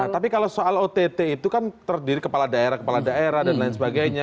tapi kalau soal ott itu kan terdiri kepala daerah kepala daerah dan lain sebagainya